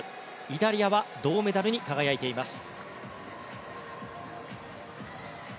イタリアは銅メダルに輝いています。